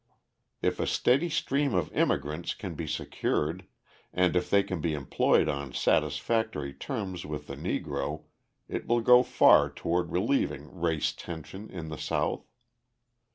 If a steady stream of immigrants can be secured and if they can be employed on satisfactory terms with the Negro it will go far toward relieving race tension in the South.